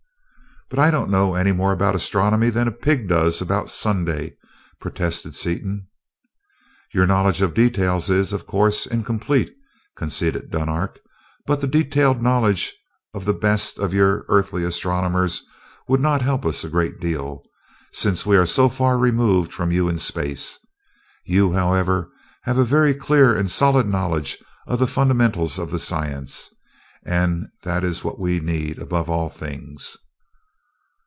"But I don't know any more about astronomy than a pig does about Sunday," protested Seaton. "Your knowledge of details is, of course, incomplete," conceded Dunark, "but the detailed knowledge of the best of your Earthly astronomers would not help us a great deal, since we are so far removed from you in space. You, however, have a very clear and solid knowledge of the fundamentals of the science, and that is what we need, above all things."